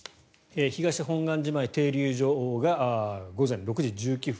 東本願寺前停留所が午前６時１９分。